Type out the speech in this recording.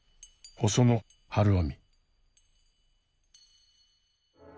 細野晴臣。